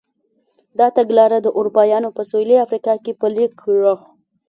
دا تګلاره اروپایانو په سوېلي افریقا کې پلې کړه.